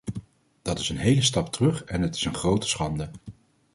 Dat is een hele stap terug en het is een grote schande.